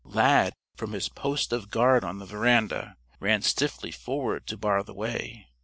Lad, from his post of guard on the veranda, ran stiffly forward to bar the way.